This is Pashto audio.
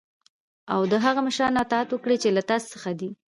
او د هغه مشرانو اطاعت وکړی چی له تاسی څخه دی .